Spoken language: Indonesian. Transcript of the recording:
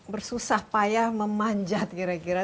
bersusah payah memanjat kira kira